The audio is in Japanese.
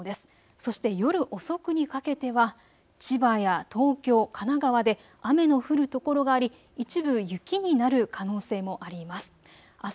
そして夜遅くにかけては千葉や東京、神奈川で雨の降るところがあり一部、雪になる可能性もあります。